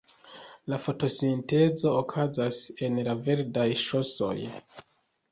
La fotosintezo okazas en la verdaj ŝosoj.